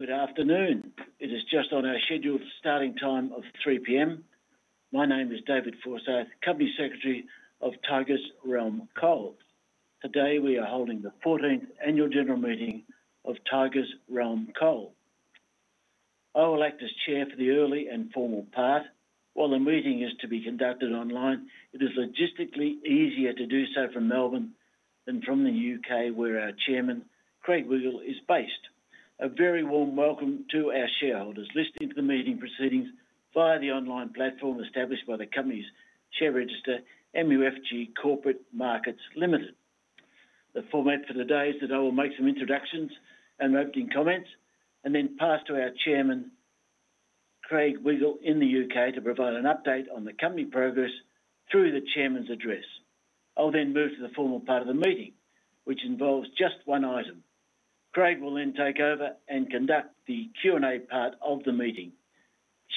Good afternoon. It is just on our scheduled starting time of 3:00 P.M. My name is David Forsyth, Company Secretary of Tigers Realm Coal. Today we are holding the 14th Annual General Meeting of Tigers Realm Coal. I will act as chair for the early and formal part. While the meeting is to be conducted online, it is logistically easier to do so from Melbourne than from the U.K., where our Chairman, Craig Wiggill, is based. A very warm welcome to our shareholders listening to the meeting proceedings via the online platform established by the Company's Share Register, MUFG Corporate Markets Limited. The format for today is that I will make some introductions and opening comments, and then pass to our Chairman, Craig Wiggill, in the U.K. to provide an update on the Company progress through the Chairman's address. I'll then move to the formal part of the meeting, which involves just one item. Craig will then take over and conduct the Q&A part of the meeting.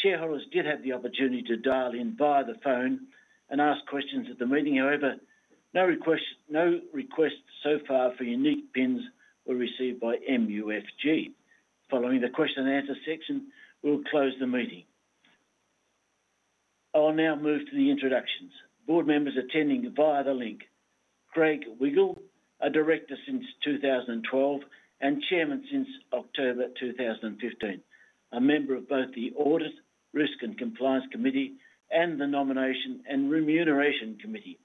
Shareholders did have the opportunity to dial in via the phone and ask questions at the meeting. However, no requests so far for unique pins were received by MUFG. Following the question and answer section, we'll close the meeting. I'll now move to the introductions. Board members attending via the link: Craig Wiggill, a Director since 2012 and Chairman since October 2015, a member of both the Audit Risk and Compliance Committee and the Nomination and Remuneration Committee;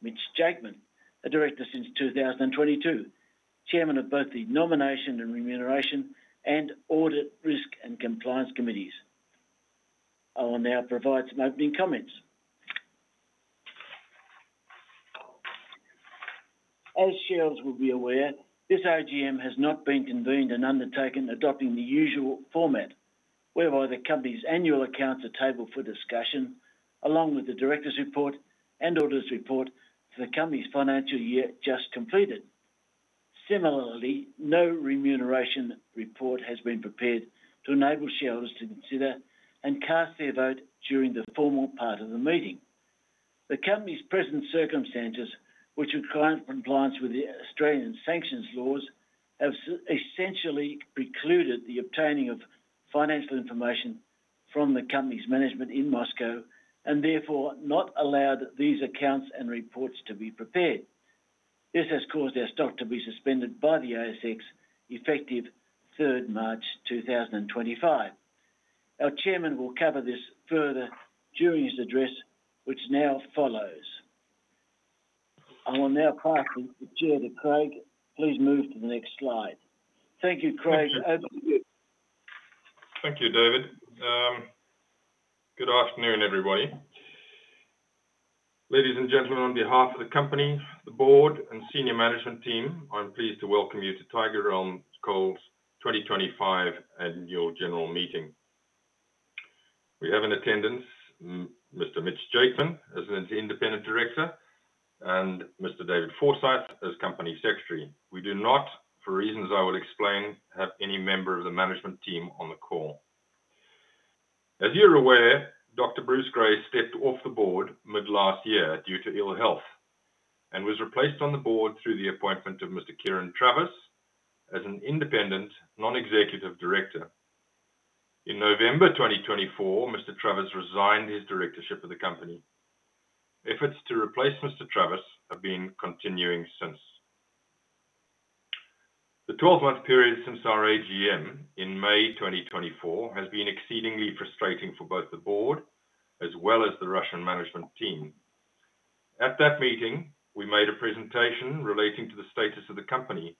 Mitch Jakeman, a Director since 2022, Chairman of both the Nomination and Remuneration and Audit Risk and Compliance Committees. I will now provide some opening comments. As shareholders will be aware, this AGM has not been convened and undertaken adopting the usual format, whereby the Company's annual accounts are tabled for discussion, along with the director's report and auditor's report for the Company's financial year just completed. Similarly, no remuneration report has been prepared to enable shareholders to consider and cast their vote during the formal part of the meeting. The Company's present circumstances, which require compliance with the Australian sanctions laws, have essentially precluded the obtaining of financial information from the Company's management in Moscow and therefore not allowed these accounts and reports to be prepared. This has caused our stock to be suspended by the ASX effective 3rd March 2025. Our Chairman will cover this further during his address, which now follows. I will now pass the chair to Craig. Please move to the next slide. Thank you, Craig. Thank you, David. Good afternoon, everybody. Ladies and gentlemen, on behalf of the Company, the Board, and Senior Management Team, I'm pleased to welcome you to Tigers Realm Coal's 2025 Annual General Meeting. We have in attendance Mr. Mitch Jakeman as an Independent Director and Mr. David Forsyth as Company Secretary. We do not, for reasons I will explain, have any member of the Management Team on the call. As you're aware, Dr. Bruce Gray stepped off the Board mid-last year due to ill health and was replaced on the Board through the appointment of Mr. Kieran Travis as an Independent Non-Executive Director. In November 2024, Mr. Travis resigned his directorship of the Company. Efforts to replace Mr. Travis have been continuing since. The 12-month period since our AGM in May 2024 has been exceedingly frustrating for both the Board as well as the Russian Management Team. At that meeting, we made a presentation relating to the status of the Company,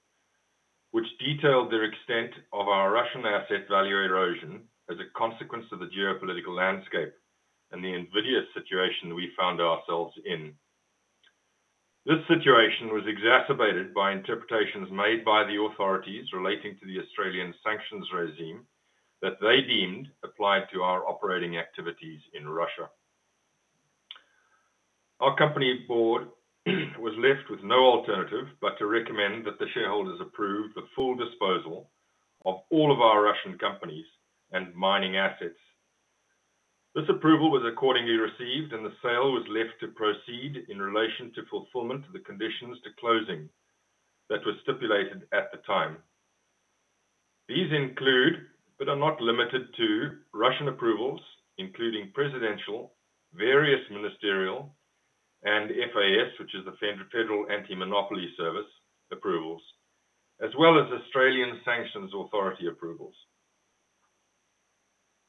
which detailed the extent of our Russian asset value erosion as a consequence of the geopolitical landscape and the invidious situation we found ourselves in. This situation was exacerbated by interpretations made by the authorities relating to the Australian sanctions regime that they deemed applied to our operating activities in Russia. Our Company Board was left with no alternative but to recommend that the shareholders approve the full disposal of all of our Russian companies and mining assets. This approval was accordingly received, and the sale was left to proceed in relation to fulfillment of the conditions to closing that were stipulated at the time. These include, but are not limited to, Russian approvals, including presidential, various ministerial, and FAS, which is the Federal Anti-Monopoly Service, approvals, as well as Australian sanctions authority approvals.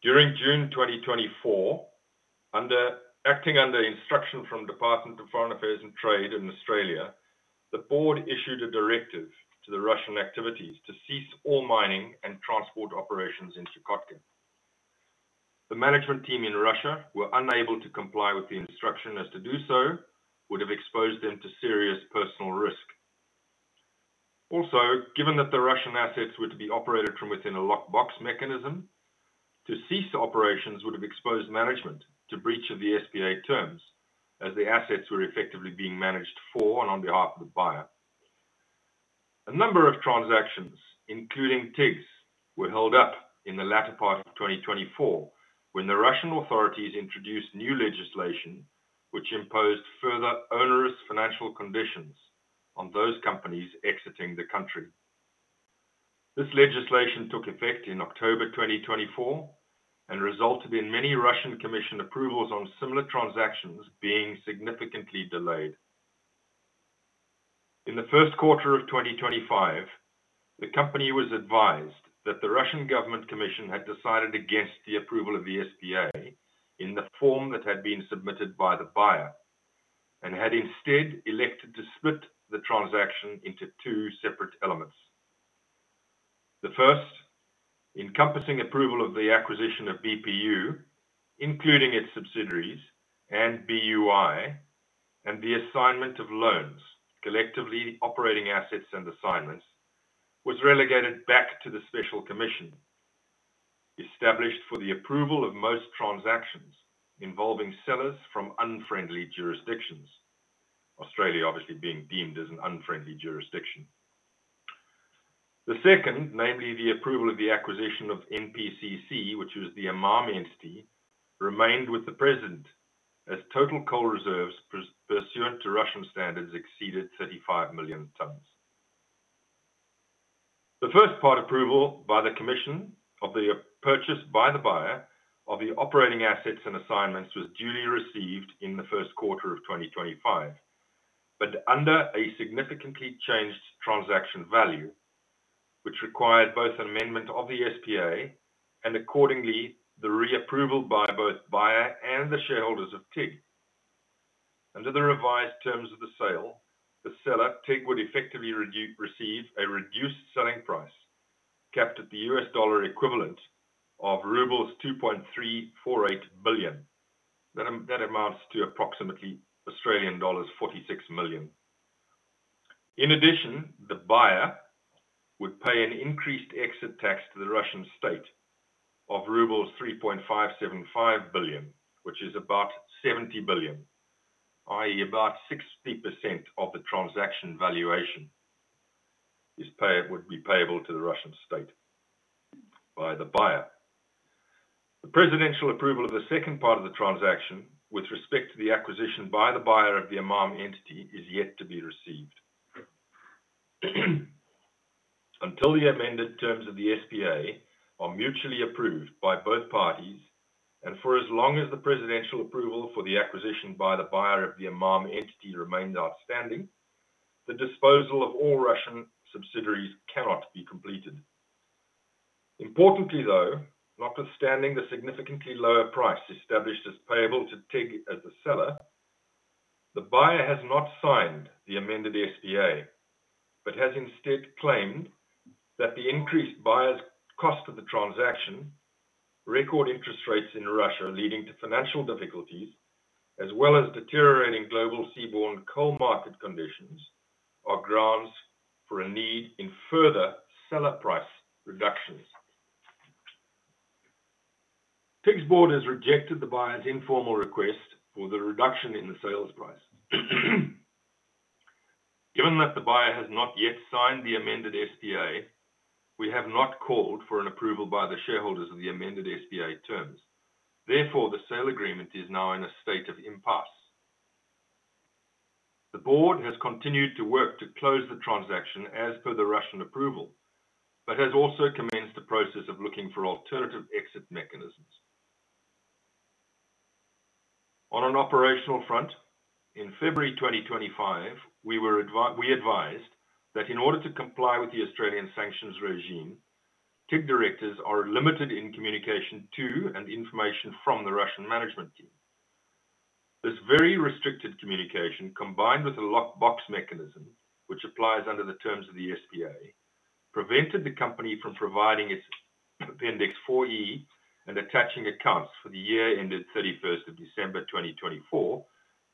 During June 2024, acting under instruction from the Department of Foreign Affairs and Trade in Australia, the Board issued a directive to the Russian activities to cease all mining and transport operations in Chukotka. The Management Team in Russia were unable to comply with the instruction as to do so would have exposed them to serious personal risk. Also, given that the Russian assets were to be operated from within a lockbox mechanism, to cease operations would have exposed management to breach of the SBA terms, as the assets were effectively being managed for and on behalf of the buyer. A number of transactions, including TIG's, were held up in the latter part of 2024 when the Russian authorities introduced new legislation which imposed further onerous financial conditions on those companies exiting the country. This legislation took effect in October 2024 and resulted in many Russian Commission approvals on similar transactions being significantly delayed. In the first quarter of 2025, the company was advised that the Russian Government Commission had decided against the approval of the SBA in the form that had been submitted by the buyer and had instead elected to split the transaction into two separate elements. The first, encompassing approval of the acquisition of BPU, including its subsidiaries and BUI, and the assignment of loans, collectively operating assets and assignments, was relegated back to the Special Commission, established for the approval of most transactions involving sellers from unfriendly jurisdictions, Australia obviously being deemed as an unfriendly jurisdiction. The second, namely the approval of the acquisition of NPCC, which was the Amaam entity, remained with the President as total coal reserves pursuant to Russian standards exceeded 35 million tons. The first-part approval by the Commission of the purchase by the buyer of the operating assets and assignments was duly received in the first quarter of 2025, but under a significantly changed transaction value, which required both an amendment of the SBA and accordingly the reapproval by both buyer and the shareholders of TIG. Under the revised terms of the sale, the seller, TIG, would effectively receive a reduced selling price capped at the $2.348 billion equivalent. That amounts to approximately Australian dollars 46 million. In addition, the buyer would pay an increased exit tax to the Russian state of rubles 3.575 billion, which is about 70 billion, i.e., about 60% of the transaction valuation would be payable to the Russian state by the buyer. The presidential approval of the second part of the transaction with respect to the acquisition by the buyer of the Amaam entity is yet to be received. Until the amended terms of the SBA are mutually approved by both parties, and for as long as the presidential approval for the acquisition by the buyer of the Amaam entity remains outstanding, the disposal of all Russian subsidiaries cannot be completed. Importantly, though, notwithstanding the significantly lower price established as payable to TIG as the seller, the buyer has not signed the amended SBA, but has instead claimed that the increased buyer's cost of the transaction, record interest rates in Russia leading to financial difficulties, as well as deteriorating global seaborne coal market conditions, are grounds for a need in further seller price reductions. TIG's Board has rejected the buyer's informal request for the reduction in the sales price. Given that the buyer has not yet signed the amended SBA, we have not called for an approval by the shareholders of the amended SBA terms. Therefore, the sale agreement is now in a state of impasse. The Board has continued to work to close the transaction as per the Russian approval, but has also commenced the process of looking for alternative exit mechanisms. On an operational front, in February 2025, we advised that in order to comply with the Australian sanctions regime, TIG directors are limited in communication to and information from the Russian Management Team. This very restricted communication, combined with a lockbox mechanism, which applies under the terms of the SBA, prevented the Company from providing its Appendix 4E and attaching accounts for the year ended 31st of December 2024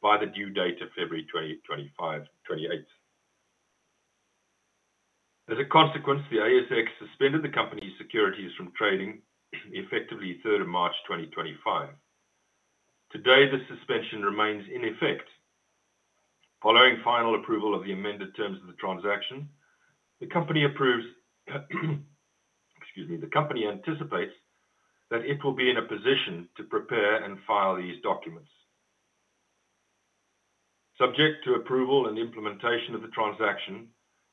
by the due date of February 2025-2028. As a consequence, the ASX suspended the Company's securities from trading effectively 3rd of March 2025. Today, the suspension remains in effect. Following final approval of the amended terms of the transaction, the Company anticipates that it will be in a position to prepare and file these documents. Subject to approval and implementation of the transaction,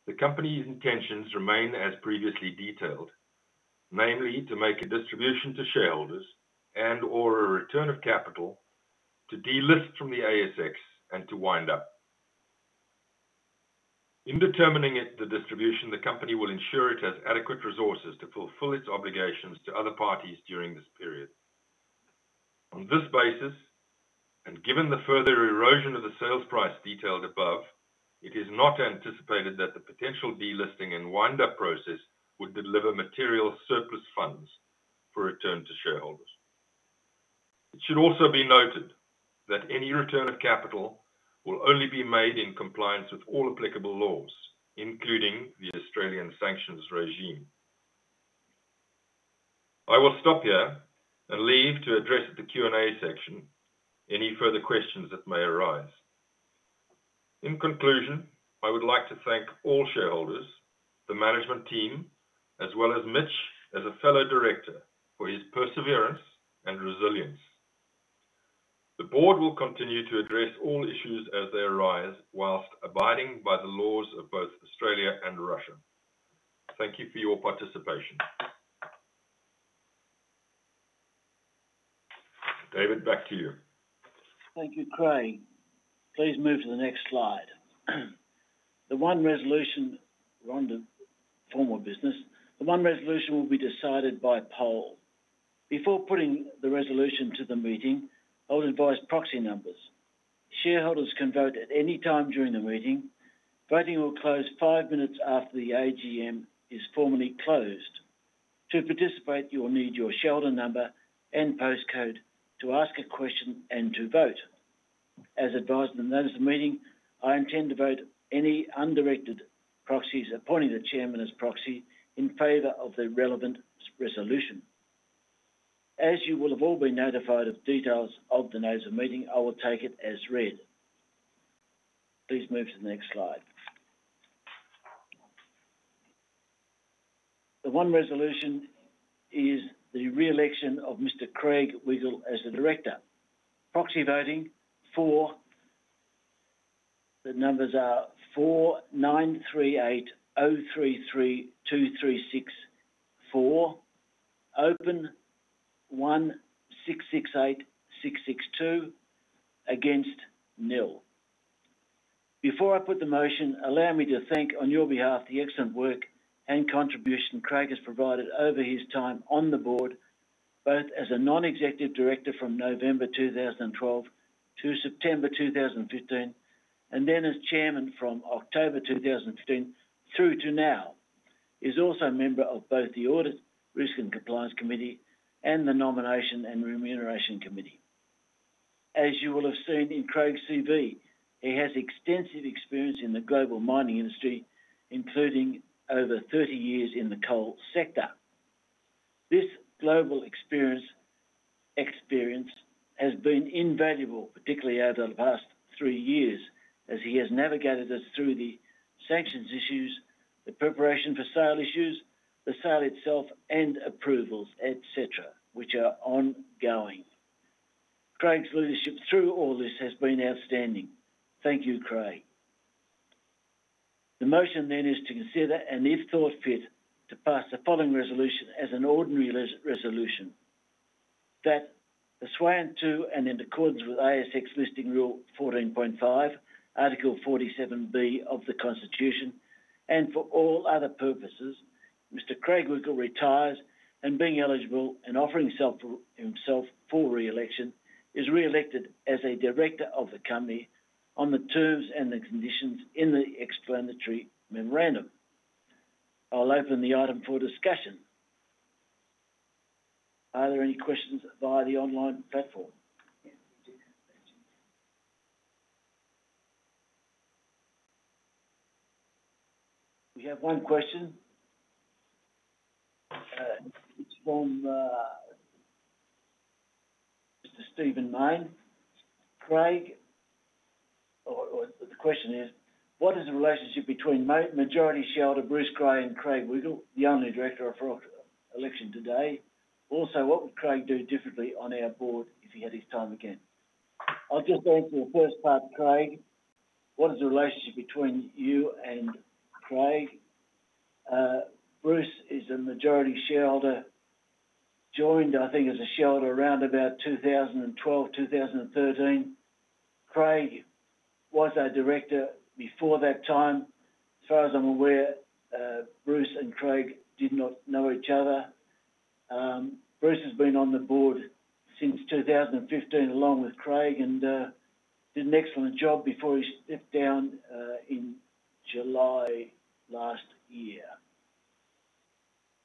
the Company's intentions remain as previously detailed, namely to make a distribution to shareholders and/or a return of capital to delist from the ASX and to wind up. In determining the distribution, the Company will ensure it has adequate resources to fulfill its obligations to other parties during this period. On this basis, and given the further erosion of the sales price detailed above, it is not anticipated that the potential delisting and windup process would deliver material surplus funds for return to shareholders. It should also be noted that any return of capital will only be made in compliance with all applicable laws, including the Australian sanctions regime. I will stop here and leave to address the Q&A section any further questions that may arise. In conclusion, I would like to thank all shareholders, the Management Team, as well as Mitch as a Fellow Director for his perseverance and resilience. The Board will continue to address all issues as they arise whilst abiding by the laws of both Australia and Russia. Thank you for your participation. David, back to you. Thank you, Craig. Please move to the next slide. The one resolution will be decided by poll. Before putting the resolution to the meeting, I'll advise proxy numbers. Shareholders can vote at any time during the meeting. Voting will close five minutes after the AGM is formally closed. To participate, you will need your shareholder number and postcode to ask a question and to vote. As advised in the notice of meeting, I intend to vote any undirected proxies appointing the Chairman as proxy in favor of the relevant resolution. As you will have all been notified of details of the notice of meeting, I will take it as read. Please move to the next slide. The one resolution is the re-election of Mr. Craig Wiggill as a Director. Proxy voting for the numbers are 49,380,332 for, 364 open, 1,668,662 against, nil. Before I put the motion, allow me to thank on your behalf the excellent work and contribution Craig has provided over his time on the Board, both as a non-executive director from November 2012 to September 2015, and then as Chairman from October 2015 through to now. He is also a member of both the Audit Risk and Compliance Committee and the Nomination and Remuneration Committee. As you will have seen in Craig's CV, he has extensive experience in the global mining industry, including over 30 years in the coal sector. This global experience has been invaluable, particularly over the past three years, as he has navigated us through the sanctions issues, the preparation for sale issues, the sale itself, and approvals, etc., which are ongoing. Craig's leadership through all this has been outstanding. Thank you, Craig. The motion then is to consider and, if thought fit, to pass the following resolution as an ordinary resolution: that, pursuant to and in accordance with ASX Listing Rule 14.5, Article 47B of the Constitution, and for all other purposes, Mr. Craig Wiggill retires and, being eligible and offering himself for re-election, is re-elected as a Director of the Company on the terms and the conditions in the Explanatory Memorandum. I'll open the item for discussion. Are there any questions via the online platform? We have one question from Mr. Stephen Mayne. The question is, what is the relationship between Majority Shareholder Bruce Gray and Craig Wiggill, the only Director up for election today? Also, what would Craig do differently on our Board if he had his time again? I'll just answer the first part, Craig. What is the relationship between you and Craig? Bruce is a majority shareholder, joined, I think, as a shareholder around about 2012, 2013. Craig was our director before that time. As far as I'm aware, Bruce and Craig did not know each other. Bruce has been on the board since 2015 along with Craig and did an excellent job before he stepped down in July last year.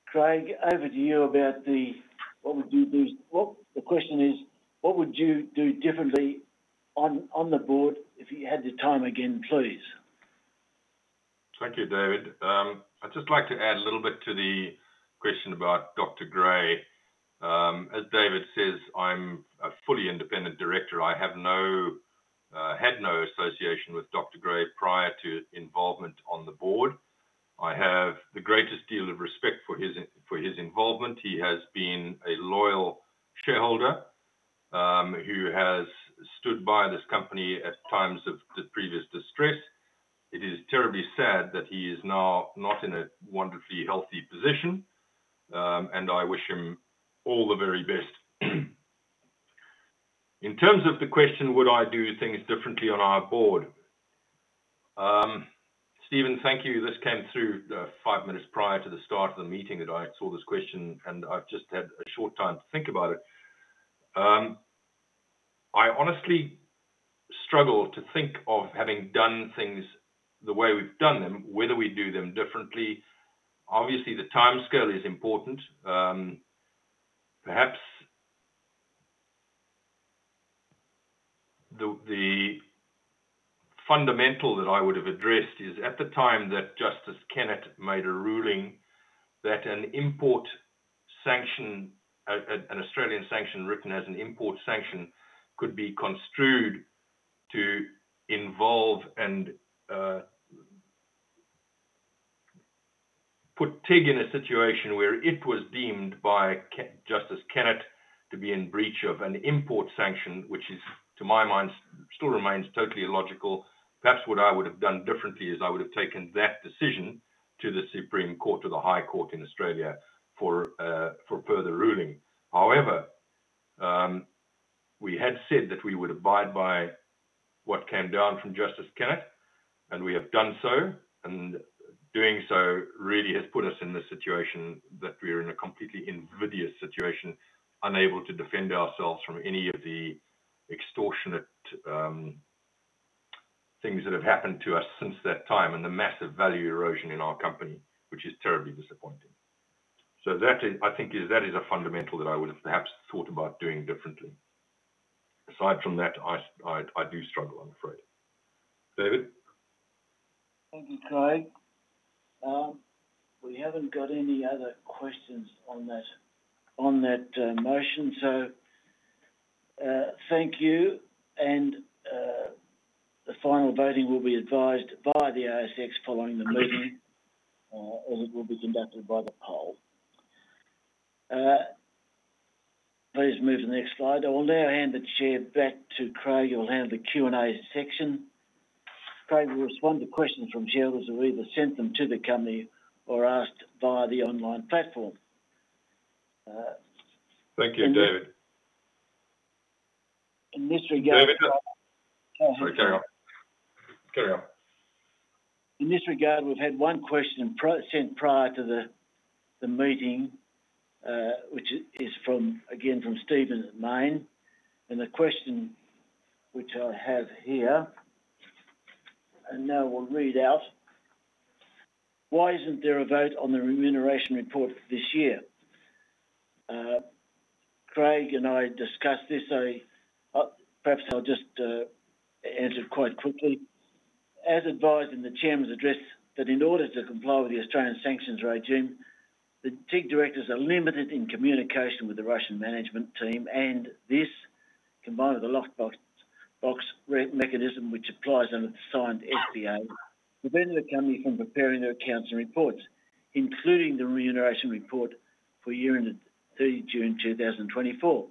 Craig, over to you about what would you do. The question is, what would you do differently on the board if you had your time again, please? Thank you, David. I'd just like to add a little bit to the question about Dr. Gray. As David says, I'm a fully independent director. I had no association with Dr. Gray prior to involvement on the Board. I have the greatest deal of respect for his involvement. He has been a loyal shareholder who has stood by this company at times of the previous distress. It is terribly sad that he is now not in a wonderfully healthy position, and I wish him all the very best. In terms of the question, would I do things differently on our Board? Stephen, thank you. This came through five minutes prior to the start of the meeting that I saw this question, and I've just had a short time to think about it. I honestly struggle to think of having done things the way we've done them, whether we do them differently. Obviously, the time scale is important. Perhaps the fundamental that I would have addressed is, at the time that Justice Kennett made a ruling, that an Australian sanction written as an import sanction could be construed to involve and put TIG in a situation where it was deemed by Justice Kennett to be in breach of an import sanction, which is, to my mind, still remains totally illogical. Perhaps what I would have done differently is I would have taken that decision to the Supreme Court or the High Court in Australia for further ruling. However, we had said that we would abide by what came down from Justice Kennett, and we have done so. Doing so really has put us in the situation that we are in a completely invidious situation, unable to defend ourselves from any of the extortionate things that have happened to us since that time and the massive value erosion in our company, which is terribly disappointing. I think that is a fundamental that I would have perhaps thought about doing differently. Aside from that, I do struggle, I'm afraid. David? Thank you, Craig. We have not got any other questions on that motion. Thank you. The final voting will be advised by the ASX following the meeting, or it will be conducted by the poll. Please move to the next slide. I will now hand the chair back to Craig. He will handle the Q&A section. Craig will respond to questions from shareholders who either sent them to the company or asked via the online platform. Thank you, David. In this regard. David? Sorry. Carry on. Carry on. In this regard, we've had one question sent prior to the meeting, which is again from Stephen Mayne. The question, which I have here and now will read out: Why isn't there a vote on the remuneration report for this year? Craig and I discussed this. Perhaps I'll just answer quite quickly. As advised in the Chairman's address, in order to comply with the Australian sanctions regime, the TIG directors are limited in communication with the Russian management team, and this, combined with the lockbox mechanism which applies under the signed SBA, prevented the company from preparing their accounts and reports, including the remuneration report for year-end at 30 June 2024,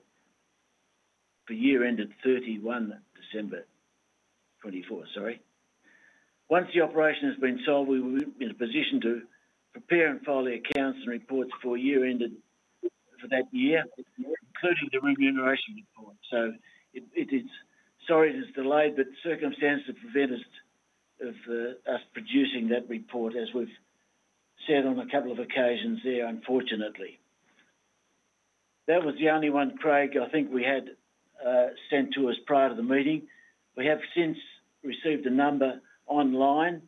for year-end at 31 December 2024. Sorry. Once the operation has been solved, we will be in a position to prepare and file the accounts and reports for year-end for that year, including the remuneration report. Sorry it is delayed, but circumstances have prevented us from producing that report, as we've said on a couple of occasions there, unfortunately. That was the only one, Craig, I think we had sent to us prior to the meeting. We have since received a number online.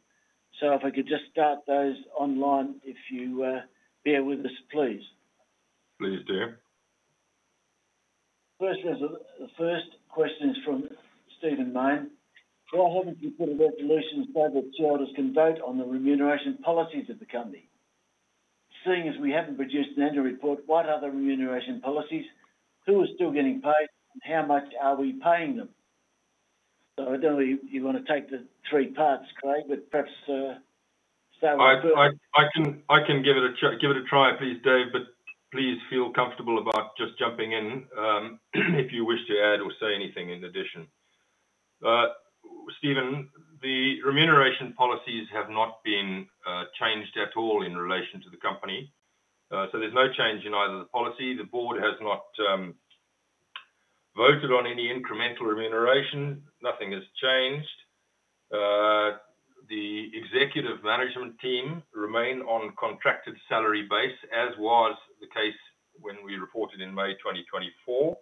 If I could just start those online, if you bear with us, please. Please do. The first question is from Stephen Mayne. Why haven't you put a resolution so that shareholders can vote on the remuneration policies of the company? Seeing as we haven't produced an end of report, what are the remuneration policies? Who is still getting paid, and how much are we paying them? I don't know if you want to take the three parts, Craig, but perhaps start with the first. I can give it a try, please, Dave, but please feel comfortable about just jumping in if you wish to add or say anything in addition. Stephen, the remuneration policies have not been changed at all in relation to the company. There is no change in either the policy. The Board has not voted on any incremental remuneration. Nothing has changed. The executive management team remain on contracted salary base, as was the case when we reported in May 2024.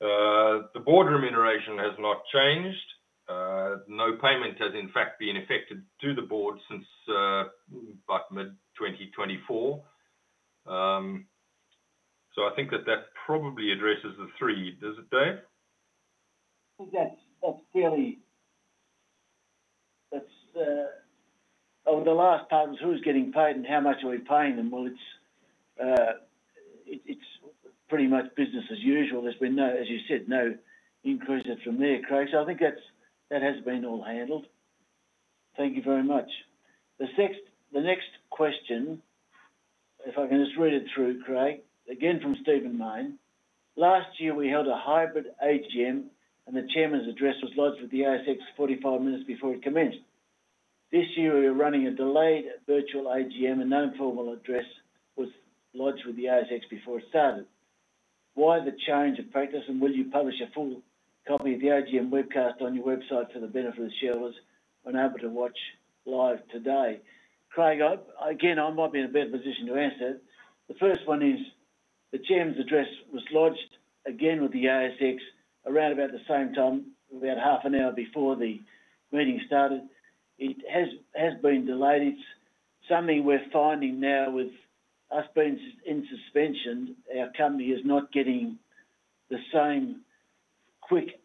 The Board remuneration has not changed. No payment has, in fact, been effected to the Board since about mid-2024. I think that that probably addresses the three, does it, Dave? That's fairly over the last times, who's getting paid and how much are we paying them? It's pretty much business as usual. There's been, as you said, no increases from there, Craig. I think that has been all handled. Thank you very much. The next question, if I can just read it through, Craig, again from Stephen Mayne. Last year, we held a hybrid AGM, and the Chairman's address was lodged with the ASX 45 minutes before it commenced. This year, we are running a delayed virtual AGM, and no formal address was lodged with the ASX before it started. Why the change of practice, and will you publish a full copy of the AGM webcast on your website for the benefit of the shareholders unable to watch live today? Craig, again, I might be in a better position to answer it. The first one is the Chairman's address was lodged again with the ASX around about the same time, about half an hour before the meeting started. It has been delayed. It's something we're finding now with us being in suspension, our company is not getting the same quick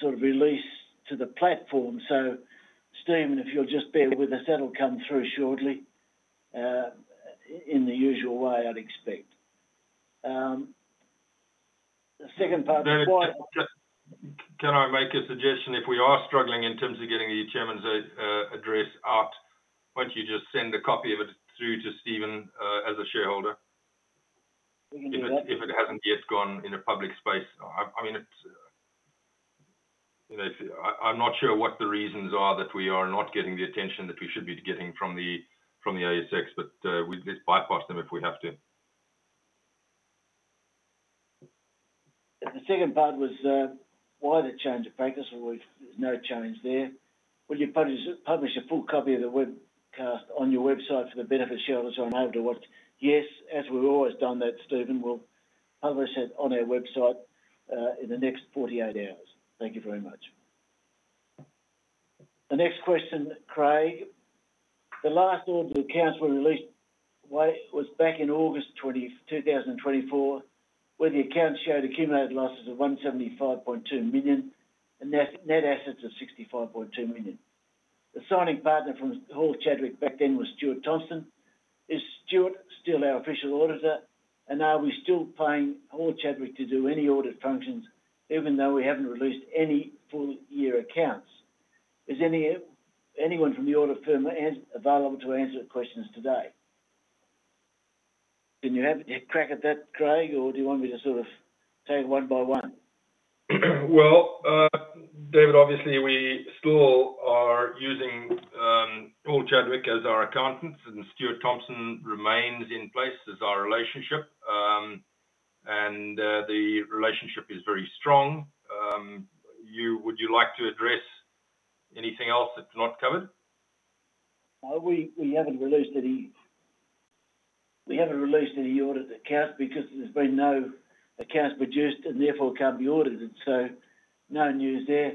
sort of release to the platform. So Stephen, if you'll just bear with us, that'll come through shortly in the usual way, I'd expect. The second part. Can I make a suggestion? If we are struggling in terms of getting the Chairman's address out, why don't you just send a copy of it through to Stephen as a shareholder? If it hasn't yet gone in a public space. I mean, I'm not sure what the reasons are that we are not getting the attention that we should be getting from the ASX, but we'll just bypass them if we have to. The second part was why the change of practice. There is no change there. Will you publish a full copy of the webcast on your website for the benefit of shareholders unable to watch? Yes, as we have always done that, Stephen. We will publish it on our website in the next 48 hours. Thank you very much. The next question, Craig. The last order of accounts were released back in August 2024, where the accounts showed accumulated losses of 175.2 million and net assets of 65.2 million. The signing partner from Hall Chadwick back then was Stewart Thompson. Is Stewart still our official auditor? And are we still paying Hall Chadwick to do any audit functions, even though we have not released any full-year accounts? Is anyone from the audit firm available to answer the questions today? Can you crack at that, Craig, or do you want me to sort of take it one by one? David, obviously, we still are using Hall Chadwick as our accountants, and Stewart Thompson remains in place as our relationship. The relationship is very strong. Would you like to address anything else that's not covered? We haven't released any audit accounts because there's been no accounts produced and therefore can't be audited. No news there.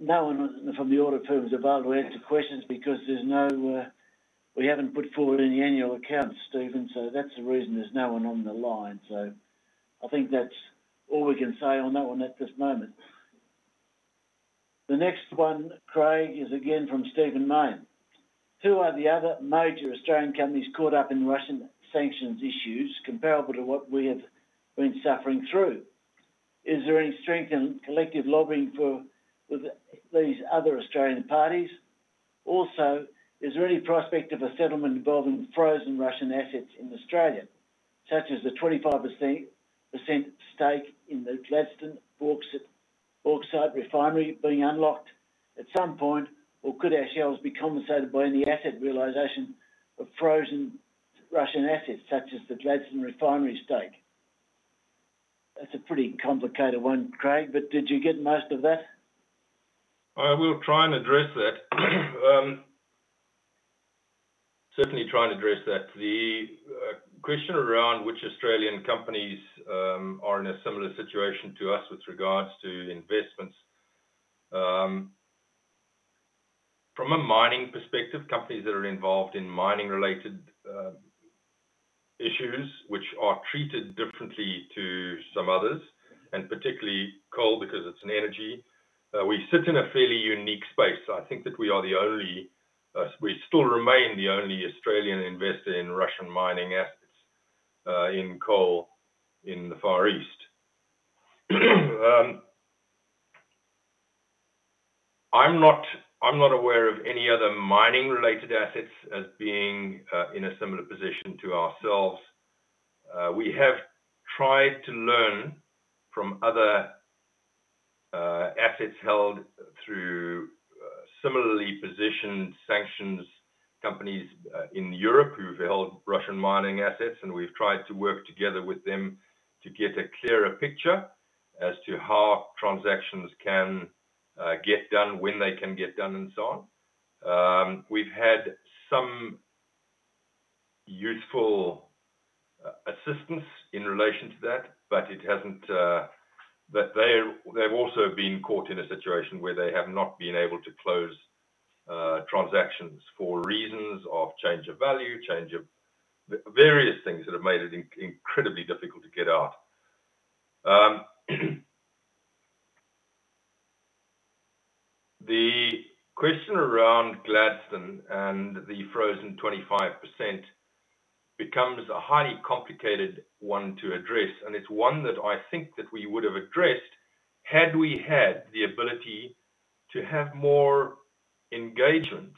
No one from the audit firm is available to answer questions because we haven't put forward any annual accounts, Stephen. That's the reason there's no one on the line. I think that's all we can say on that one at this moment. The next one, Craig, is again from Stephen Mayne. Who are the other major Australian companies caught up in Russian sanctions issues comparable to what we have been suffering through? Is there any strength in collective lobbying with these other Australian parties? Also, is there any prospect of a settlement involving frozen Russian assets in Australia, such as the 25% stake in the Gladstone bauxite refinery being unlocked at some point, or could our shareholders be compensated by any asset realization of frozen Russian assets, such as the Gladstone Refinery stake? That's a pretty complicated one, Craig, but did you get most of that? We'll try and address that. Certainly try and address that. The question around which Australian companies are in a similar situation to us with regards to investments. From a mining perspective, companies that are involved in mining-related issues, which are treated differently to some others, and particularly coal because it's an energy, we sit in a fairly unique space. I think that we are the only—we still remain the only Australian investor in Russian mining assets in coal in the Far East. I'm not aware of any other mining-related assets as being in a similar position to ourselves. We have tried to learn from other assets held through similarly positioned sanctions companies in Europe who've held Russian mining assets, and we've tried to work together with them to get a clearer picture as to how transactions can get done, when they can get done, and so on. We've had some useful assistance in relation to that, but they've also been caught in a situation where they have not been able to close transactions for reasons of change of value, change of various things that have made it incredibly difficult to get out. The question around Gladstone and the frozen 25% becomes a highly complicated one to address, and it's one that I think that we would have addressed had we had the ability to have more engagement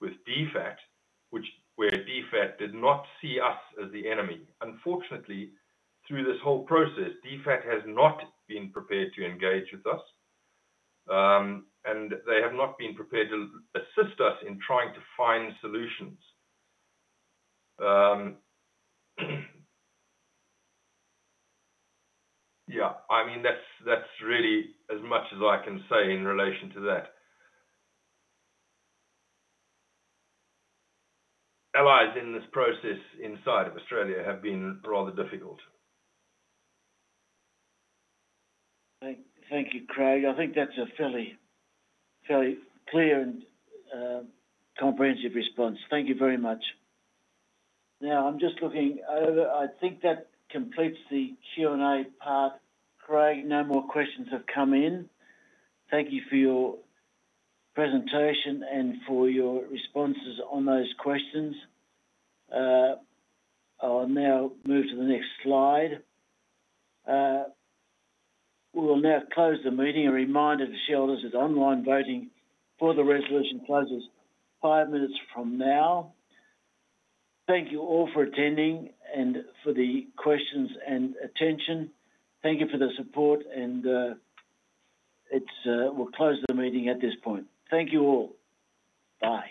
with DFAT, where DFAT did not see us as the enemy. Unfortunately, through this whole process, DFAT has not been prepared to engage with us, and they have not been prepared to assist us in trying to find solutions. Yeah. I mean, that's really as much as I can say in relation to that. Allies in this process inside of Australia have been rather difficult. Thank you, Craig. I think that's a fairly clear and comprehensive response. Thank you very much. Now, I'm just looking over. I think that completes the Q&A part. Craig, no more questions have come in. Thank you for your presentation and for your responses on those questions. I'll now move to the next slide. We will now close the meeting. A reminder to shareholders is online voting for the resolution closes five minutes from now. Thank you all for attending and for the questions and attention. Thank you for the support, and we'll close the meeting at this point. Thank you all. Bye.